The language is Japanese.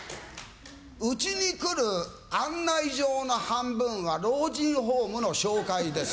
家に来る案内状の半分は老人ホームの紹介です。